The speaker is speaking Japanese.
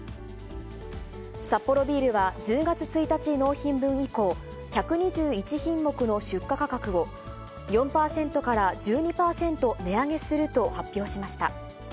サッポロビールは、１０月１日納品分以降、１２１品目の出荷価格を、４％から１２％値上げすると発表しました。